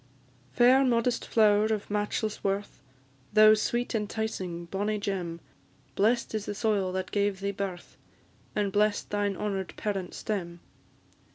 "_ Fair, modest flower, of matchless worth! Thou sweet, enticing, bonny gem; Blest is the soil that gave thee birth, And bless'd thine honour'd parent stem.